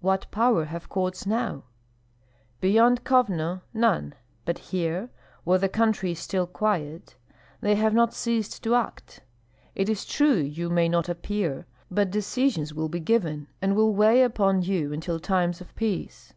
"What power have courts now?" "Beyond Kovno none; but here, where the country is still quiet, they have not ceased to act. It is true you may not appear, but decisions will be given and will weigh upon you until times of peace.